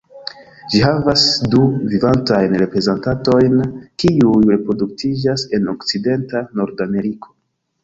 Ĝi havas du vivantajn reprezentantojn kiuj reproduktiĝas en okcidenta Nordameriko.